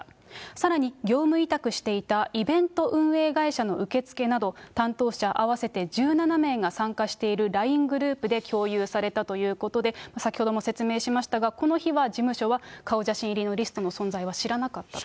さらに業務委託していたイベント運営会社の受け付けなど、担当者合わせて１７名が参加しているＬＩＮＥグループで共有されたということで、先ほども説明しましたが、この日は、事務所は顔写真入りのリストの存在は知らなかったと。